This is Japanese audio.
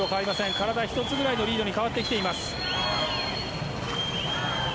体１つぐらいのリードに変わってきています。